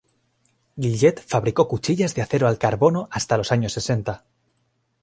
Gillette fabricó cuchillas de acero al carbono hasta los años sesenta.